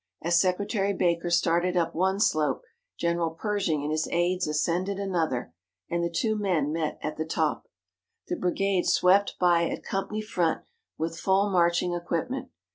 As Secretary Baker started up one slope, General Pershing and his aides ascended another, and the two men met at the top. The brigade swept by at company front, with full marching equipment.